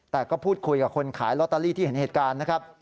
แต่ก็พูดคุยกับคนขายลอตเตอรี่ที่เห็นเหตุการณ์นะครับ